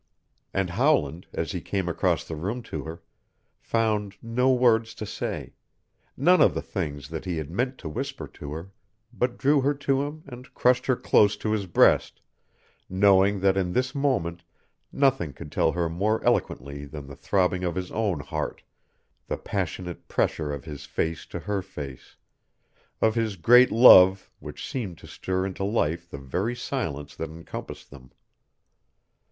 And Howland, as he came across the room to her, found no words to say none of the things that he had meant to whisper to her, but drew her to him and crushed her close to his breast, knowing that in this moment nothing could tell her more eloquently than the throbbing of his own heart, the passionate pressure of his face to her face, of his great love which seemed to stir into life the very silence that encompassed them.